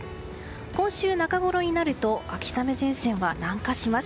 今週中ごろになると秋雨前線は南下します。